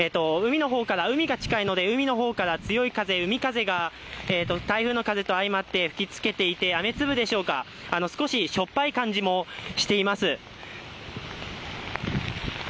海が近いので、海の方から強い風、海風が台風の風と相まって吹きつけていて、雨粒でしょうか少ししょっぱい感じもしています。